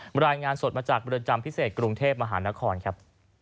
รายงานสดมาจากเรือนจำพิเศษกรุงเทพมหานครครับ